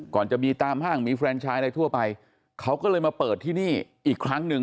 ก่อนจะมีตามห้างมีแฟนชายอะไรทั่วไปเขาก็เลยมาเปิดที่นี่อีกครั้งหนึ่ง